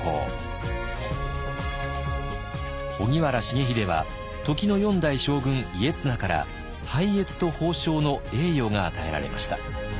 荻原重秀は時の四代将軍家綱から拝謁と褒章の栄誉が与えられました。